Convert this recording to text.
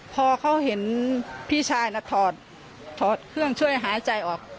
พอเขาเห็นพี่ชายน่ะถอดเครื่องช่วยหายใจออก